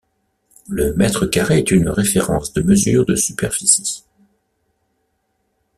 Le mètre carré est une référence de mesure de superficie.